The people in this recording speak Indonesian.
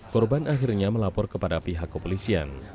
korban akhirnya melapor kepada pihak kepolisian